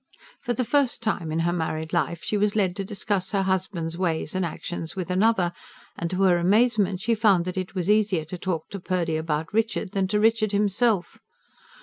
For the first time in her married life she was led to discuss her husband's ways and actions with another; and, to her amazement, she found that it was easier to talk to Purdy about Richard than to Richard himself.